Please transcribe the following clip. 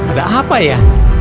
ada apa ya